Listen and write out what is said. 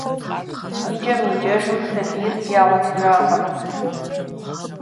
Икӏэм-икӏэжым сабийр ягъуэтыжакъым.